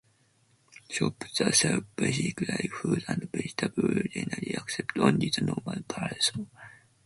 Shops that sell basics like fruit and vegetables generally accept only the normal peso.